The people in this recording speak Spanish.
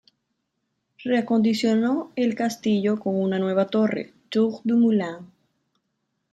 Reacondicionó el castillo con una nueva torre, "Tour du Moulin".